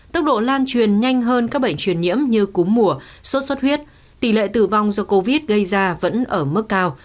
tốc độ lan truyền nhanh hơn các bệnh truyền nhiễm như cúm mùa sốt xuất huyết tỷ lệ tử vong do covid gây ra vẫn ở mức cao